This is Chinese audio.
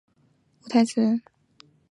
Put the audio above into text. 十部短片中均无台词。